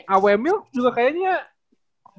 awmilk juga kayaknya makin banyak juga